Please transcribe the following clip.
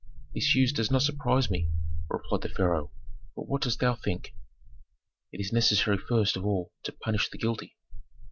"This news does not surprise me," replied the pharaoh. "But what dost thou think?" "It is necessary first of all to punish the guilty."